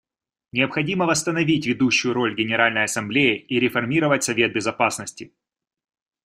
Необходимо восстановить ведущую роль Генеральной Ассамблеи и реформировать Совет Безопасности.